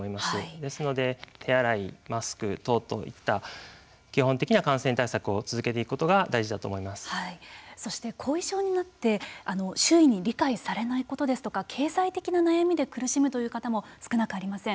ですので手洗い、マスク等々といった基本的な感染対策を続けていくことがそして、後遺症になって周囲に理解されないことですとか経済的な悩みで苦しむという方も少なくありません。